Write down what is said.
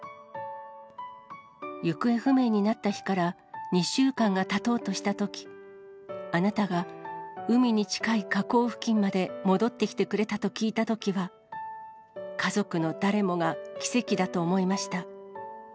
行方不明になった日から２週間がたとうとしたとき、あなたが海に近い河口付近まで戻ってきてくれたと聞いたときは、家族の誰もが奇跡だと思いました。